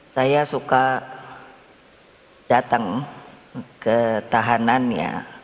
saya suka datang ke tahanan ya